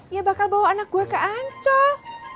ya bakal bawa anak gue ke ancol